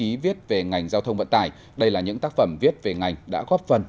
giải báo chí viết về ngành giao thông vận tải đây là những tác phẩm viết về ngành đã góp phần